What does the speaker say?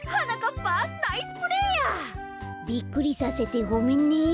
びっくりさせてごめんね。